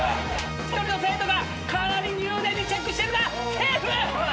１人の生徒がかなり入念にチェックしているがセーフ！